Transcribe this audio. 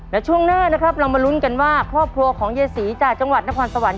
และช่วงหน้านะครับเรามาลุ้นกันว่าครอบครัวของเยศรีจากจังหวัดนครสวรรค